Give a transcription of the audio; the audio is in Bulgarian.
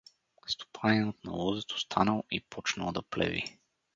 Стопанинът на лозето станал и почнал да плеви.